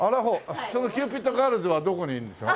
そのキューピッドガールズはどこにいるんですか？